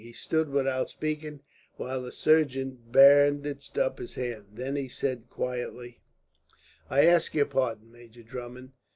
He stood without speaking, while the surgeon bandaged up his arm. Then he said quietly: "I ask your pardon, Major Drummond.